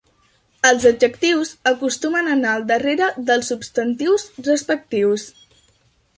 Els adjectius acostumen a anar al darrere dels substantius respectius.